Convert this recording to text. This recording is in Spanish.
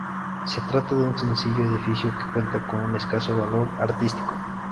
Se trata de un sencillo edificio que cuenta con un escaso valor artístico.